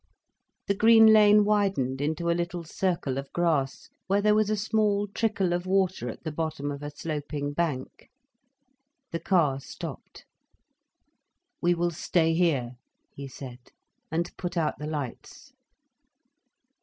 The green lane widened into a little circle of grass, where there was a small trickle of water at the bottom of a sloping bank. The car stopped. "We will stay here," he said, "and put out the lights."